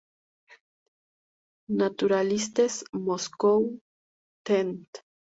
Naturalistes Moscou; Tent.